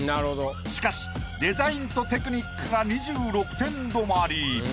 しかしデザインとテクニックが２６点止まり。